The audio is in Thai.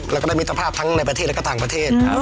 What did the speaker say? แล้วก็ได้มิตรภาพทั้งในประเทศและก็ต่างประเทศ